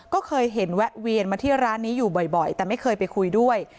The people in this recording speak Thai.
ก็เคยเห็นแวะเวียนมาที่ร้านนี้อยู่บ่อยแต่ไม่เคยไปคุยด้วย